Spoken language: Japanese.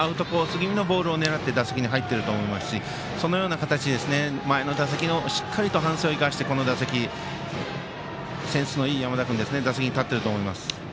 気味のボールを狙って打席に入ってると思いますしそのような形でしっかり前の打席の反省を生かして、この打席センスのいい山田君打席に立っていると思います。